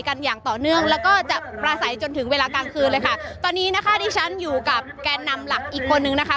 กันอย่างต่อเนื่องแล้วก็จะประสัยจนถึงเวลากลางคืนเลยค่ะตอนนี้นะคะดิฉันอยู่กับแกนนำหลักอีกคนนึงนะคะ